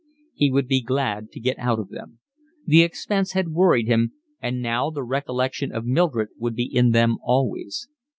He would be glad to get out of them. The expense had worried him, and now the recollection of Mildred would be in them always.